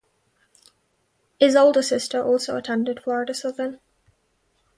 His older sister also attended Florida Southern.